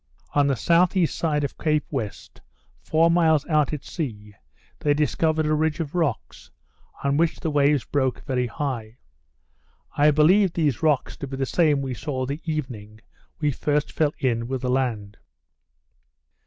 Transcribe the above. On the southeast side of Cape West, four miles out at sea, they discovered a ridge of rocks, on which the waves broke very high. I believe these rocks to be the same we saw the evening we first fell in with the land.